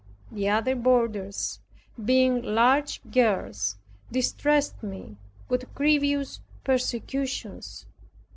The other boarders, being large girls, distressed me with grievous persecutions.